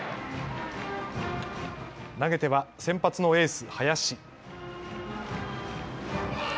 投げては先発のエース、林。